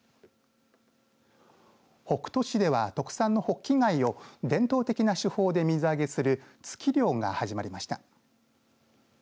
北斗市では、特産のホッキ貝を伝統的な手法で水揚げする突き漁が始まりました。